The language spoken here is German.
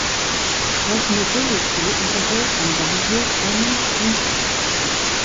Auch Mobility unterhält am Bahnhof einen Standort.